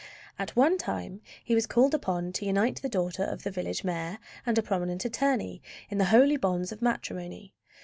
At one time he was called upon to unite the daughter of the village mayor and a prominent attorney in the holy bonds of matrimony.